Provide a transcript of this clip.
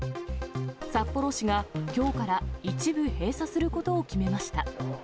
札幌市がきょうから一部閉鎖することを決めました。